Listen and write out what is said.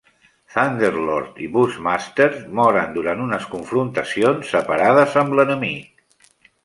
Thunderlord i Bushmaster moren durant unes confrontacions separades amb l'enemic.